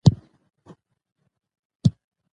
مزارشریف د افغانستان د ځمکې د جوړښت نښه ده.